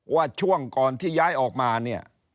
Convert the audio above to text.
ว่าช่วงก่อนที่ย้ายออกมาเนี่ย